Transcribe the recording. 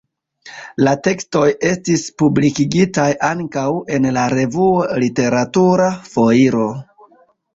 La tekstoj estis publikigitaj ankaŭ en la revuo Literatura Foiro.